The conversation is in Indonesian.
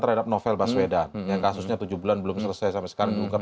terhadap novel baswedan yang kasusnya tujuh bulan belum selesai sampai sekarang diungkap